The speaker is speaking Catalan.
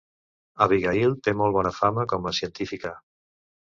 Abigail té molt bona fama com a científica.